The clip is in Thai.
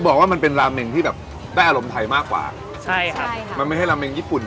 บอกว่ามันเป็นราเมงที่แบบได้อารมณ์ไทยมากกว่าใช่ครับมันไม่ใช่ราเมงญี่ปุ่น